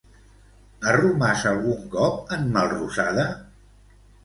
Ha romàs algun cop en Melrosada?